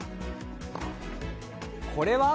これは？